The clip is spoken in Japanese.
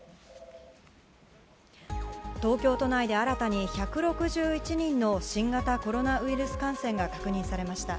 東京都内で、新たに１６１人の新型コロナウイルス感染が確認されました。